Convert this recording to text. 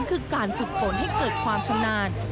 คือการฝึกฝนให้เกิดความชำนาญ